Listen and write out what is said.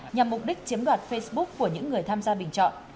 nhằm mục đích chiếm đoạt facebook của những người tham gia bình chọn